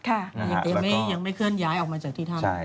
แต่ยังไม่เคลื่อนย้ายออกมาจากที่ถ้ำ